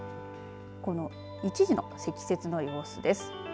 この１時の積雪の様子です。